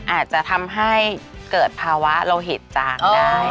อาจจะทำให้เกิดภาวะโลหิตจางได้